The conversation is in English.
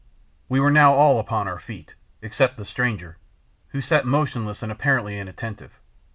We were now all upon our feet—except the stranger, who sat motionless and apparently inattentive.